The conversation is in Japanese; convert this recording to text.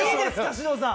獅童さん！